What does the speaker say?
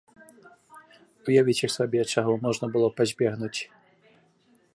Уявіце сабе, чаго можна было б пазбегнуць.